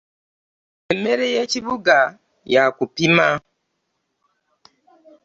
Emmere y'ekibuga ya kupima.